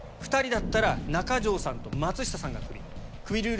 ２人だったら中条さんと松下さんがクビ。